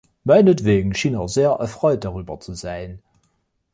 Meinetwegen schien er sehr erfreut darüber zu sein.